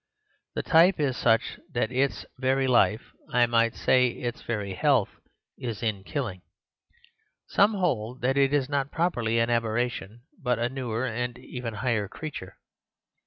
The type is such that its very life— I might say its very health—is in killing. Some hold that it is not properly an aberration, but a newer and even a higher creature.